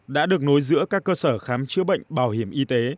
đã được nối giữa các cơ sở khám chữa bệnh bảo hiểm y tế